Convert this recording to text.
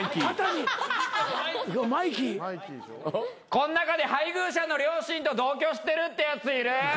こん中で配偶者の両親と同居してるってやついる？